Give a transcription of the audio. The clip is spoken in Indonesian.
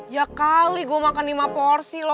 ya kali gue makan lima porsi loh